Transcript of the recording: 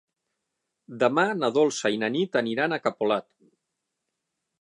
Demà na Dolça i na Nit aniran a Capolat.